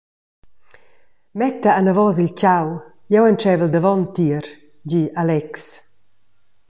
«Metta anavos il tgau, jeu entscheivel davontier», di Alex.